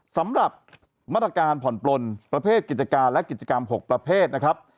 สำหรับมาตรการผ่อนปลนประเภทกิจการและกิจกรรม๖ประเภทนะครับ